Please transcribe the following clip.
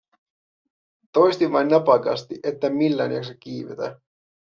Toistin vain napakasti, etten millään jaksa kiivetä.